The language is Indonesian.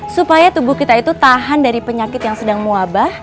supaya tubuh kita itu tahan dari penyakit yang sedang mewabah